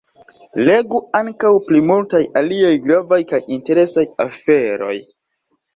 Legu ankaŭ pri multaj aliaj gravaj kaj interesaj aferoj!